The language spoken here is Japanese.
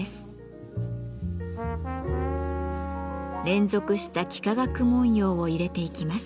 連続した幾何学文様を入れていきます。